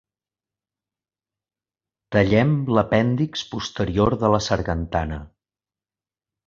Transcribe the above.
Tallem l'apèndix posterior de la sargantana.